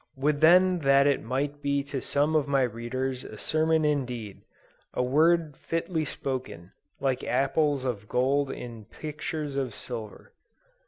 Would then that it might be to some of my readers a sermon indeed; "a word fitly spoken," "like apples of gold in pictures of silver."